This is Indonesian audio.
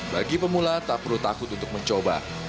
bagi pemula tak perlu takut untuk mencoba